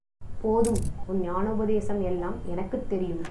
போதும் உன் ஞானோபதேசம் எல்லாம் எனக்குத் தெரியும்.